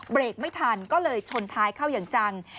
เบรกไม่ทันก็เลยชนท้ายเข้าอย่างจัง